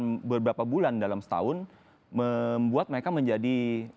dalam beberapa bulan dalam setahun membuat mereka menjadi